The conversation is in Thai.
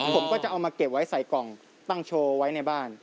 ผมก็จะเอามาเก็บไว้ใส่กล่องตั้งโชว์ไว้ในบ้าน